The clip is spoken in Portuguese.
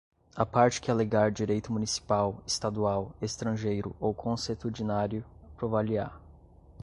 A parte que alegar direito municipal, estadual, estrangeiro ou consuetudinário provar-lhe-á